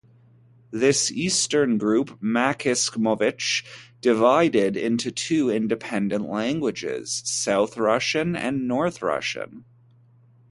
This eastern group, Maksymovych divided into two independent languages, South Russian and North Russian.